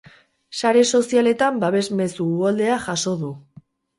Sare sozialetan babes mezu uholdea jaso du.